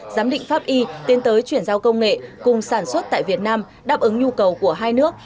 giám định pháp y tiến tới chuyển giao công nghệ cùng sản xuất tại việt nam đáp ứng nhu cầu của hai nước